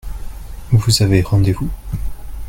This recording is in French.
Vous avez rendez-vous ?